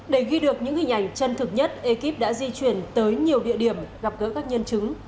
để ghi được những hình ảnh chân thực nhất ekip đã di chuyển tới nhiều địa điểm gặp gỡ các nhân chứng